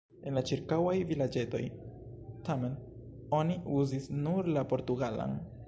En la ĉirkaŭaj vilaĝetoj, tamen, oni uzis nur la portugalan.